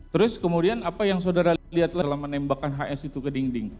terus kemudian apa yang saudara lihatlah menembakkan hs itu ke dinding